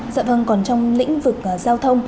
dạ vâng còn trong lĩnh vực giao thông